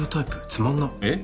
つまんなえっ？